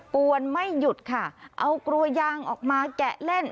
วนไม่หยุดค่ะเอากลัวยางออกมาแกะเล่น